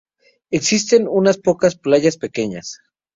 Existen una pocas playas pequeñas.